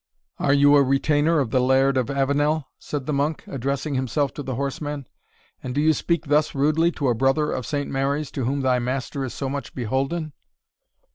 "Are you a retainer of the Laird of Avenel?" said the monk, addressing himself to the horseman, "and do you speak thus rudely to a Brother of Saint Mary's, to whom thy master is so much beholden?"